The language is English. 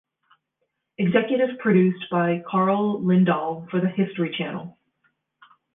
Executive produced by Carl Lindahl for the History Channel.